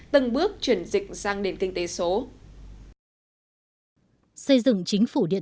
từng bước chuyển dịch sang đền kinh tế